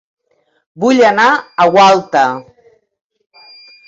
Vull anar a Gualta